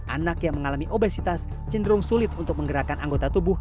anak yang mengalami obesitas cenderung sulit untuk menggerakkan anggota tubuh